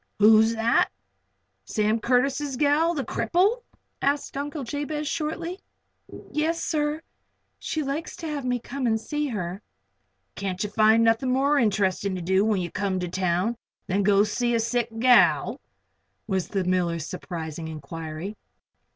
"Who's that? Sam Curtis' gal the cripple?" asked Uncle Jabez, shortly. "Yes, sir. She likes to have me come and see her." "Can't you find nothing more interestin' to do when ye come to town than go to see a sick gal?" was the miller's surprising inquiry.